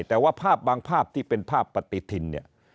แต่ว่าภาพบางภาพที่เป็นภาพปฏิทินเนี่ย